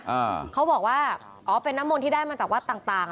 อ่าเขาบอกว่าอ๋อเป็นน้ำมนต์ที่ได้มาจากวัดต่างต่าง